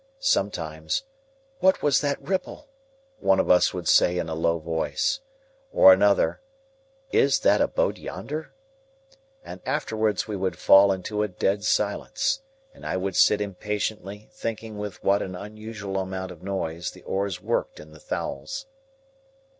Sometimes, "What was that ripple?" one of us would say in a low voice. Or another, "Is that a boat yonder?" And afterwards we would fall into a dead silence, and I would sit impatiently thinking with what an unusual amount of noise the oars worked in the thowels.